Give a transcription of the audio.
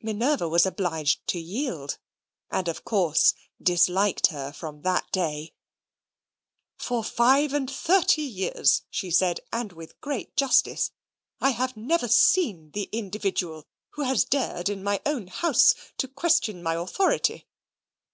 Minerva was obliged to yield, and, of course, disliked her from that day. "For five and thirty years," she said, and with great justice, "I never have seen the individual who has dared in my own house to question my authority.